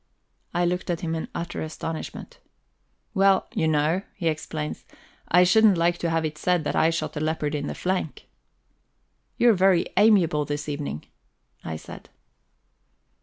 I looked at him in utter astonishment. "Well, you know," he explains, "I shouldn't like to have it said that I shot a leopard in the flank." "You are very amiable this evening," I said.